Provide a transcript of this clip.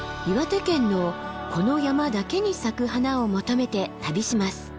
岩手県のこの山だけに咲く花を求めて旅します。